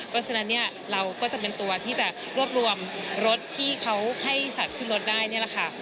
เพราะฉะนั้นเนี่ยเราก็จะเป็นตัวที่จะรวบรวมรถที่เขาให้สัตว์ขึ้นรถได้นี่แหละค่ะ